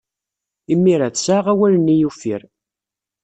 Imir-a, tesɛa awal-nni uffir.